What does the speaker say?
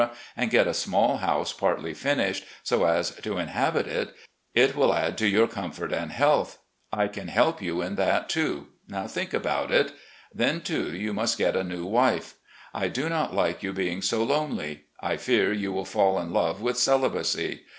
and get a small house partly finished, so as to inhabit it, it will add to your comfort and health. I can help you in that too. Think about it. Then, too, you must get a nice wife. I do not like you being so lonely. I fear you will fall in love with celibacy.